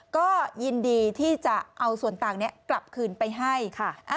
ก็ยินดีที่จะเอาส่วนต่างนี้กลับคืนไปให้ค่ะ